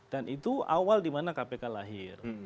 dan itu awal dimana kpk lahir